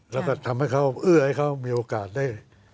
แล้วก็ทำให้เขาเอื้อให้เขามีโอกาสได้